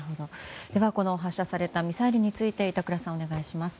では発射されたミサイルについて板倉さん、お願いします。